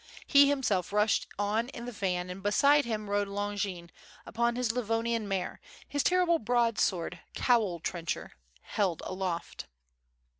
He himself rushed on in the van and beside him rode Longin upon his Livonian mare, his terrible broadsword "Cowl trencher" held aloft.